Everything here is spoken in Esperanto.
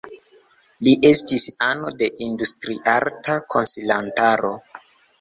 Li estis ano de Industriarta Konsilantaro.